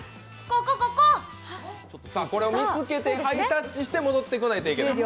これを見つけてハイタッチして戻ってこなきゃいけない。